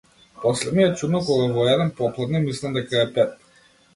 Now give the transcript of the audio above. После ми е чудно кога во еден попладне мислам дека е пет.